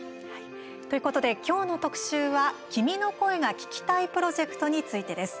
ということで今日の特集は君の声が聴きたいプロジェクトについてです。